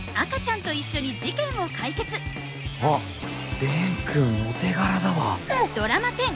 あっ蓮くんお手柄だわ。